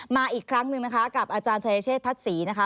มาอีกครั้งหนึ่งนะคะกับอาจารย์ชายเชษพัดศรีนะคะ